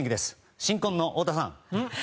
新婚の太田さん。